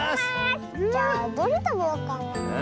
じゃあどれたべようかな？